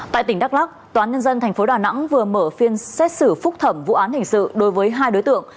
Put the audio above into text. tại tỉnh đắk lắk toán nhân dân tp đà nẵng vừa mở phiên xét xử phúc thẩm vụ án hình sự đối với hai đối tượng